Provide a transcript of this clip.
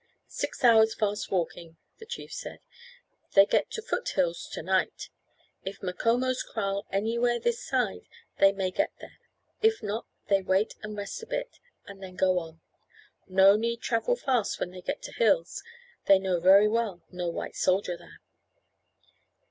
"Six hours' fast walking," the chief said. "They get to foot of hills to night. If Macomo's kraal anywhere this side, they may get there. If not, they wait and rest a bit, and then go on. No need travel fast when get to hills; they know very well no white soldier there."